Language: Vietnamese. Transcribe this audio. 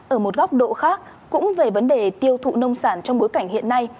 ở một góc độ khác cũng về vấn đề tiêu thụ nông sản trong bối cảnh hiện nay